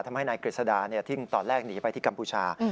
ทำให้นายกริสดาที่ตอนแรกหนีไปที่กัมพูชา